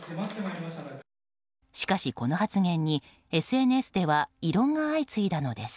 しかし、この発言にＳＮＳでは異論が相次いだのです。